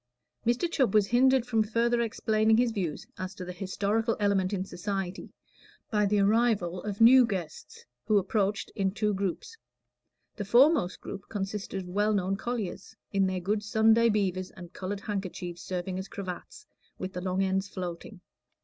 Mr. Chubb was hindered from further explaining his views as to the historical element in society by the arrival of new guests, who approached in two groups. The foremost group consisted of well known colliers, in their good Sunday beavers and colored handkerchiefs serving as cravats, with the long ends floating.